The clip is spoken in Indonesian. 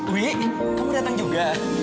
wi kamu datang juga